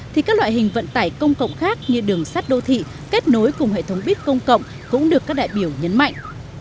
thì các loại hình vận tải công cộng khác như đường sắt đô thị kết nối cùng hệ thống buýt công cộng cũng được các đại biểu nhấn mạnh